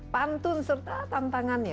pantun serta tantangan ya